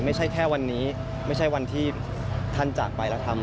ไม่ใช่แค่วันนี้ไม่ใช่วันที่ท่านจากไปแล้วทำ